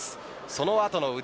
そのあとの腕